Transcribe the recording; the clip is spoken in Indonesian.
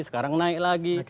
sekarang naik lagi